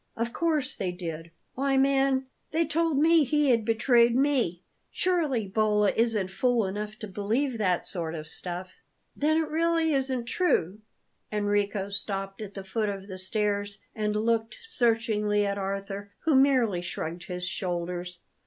Of course they did! Why, man, they told me he had betrayed me. Surely Bolla isn't fool enough to believe that sort of stuff?" "Then it really isn't true?" Enrico stopped at the foot of the stairs and looked searchingly at Arthur, who merely shrugged his shoulders.